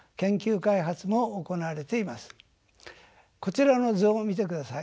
こちらの図を見てください。